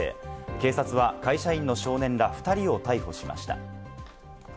警察は会社員の少年ら２人を逮捕しました。